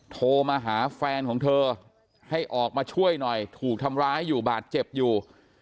โทรมาหาแฟนของเธอให้ออกมาช่วยหน่อยถูกทำร้ายอยู่บาดเจ็บอยู่